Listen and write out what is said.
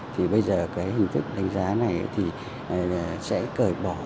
thì bây giờ cái hình thức đánh giá này thì sẽ cởi bỏ